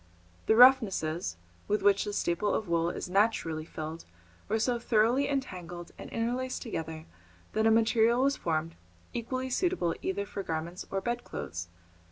The roughnesses with which the staple of wool is naturally filled were so thoroughly entangled and interlaced together that a material was formed equally suitable either for garments or bedclothes.